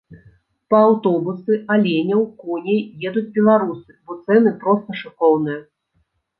Па аўтобусы, аленяў, коней едуць беларусы, бо цэны проста шыкоўныя.